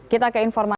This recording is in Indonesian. kita ke informasi